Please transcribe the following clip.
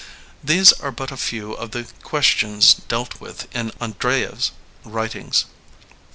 These are but a few of the ques tions dealt with in Andreyev's writings.